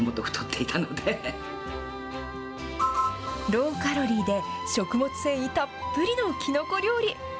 ローカロリーで、食物繊維たっぷりのきのこ料理。